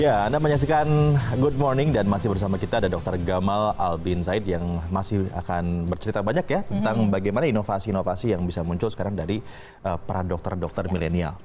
ya anda menyaksikan good morning dan masih bersama kita ada dr gamal albin said yang masih akan bercerita banyak ya tentang bagaimana inovasi inovasi yang bisa muncul sekarang dari para dokter dokter milenial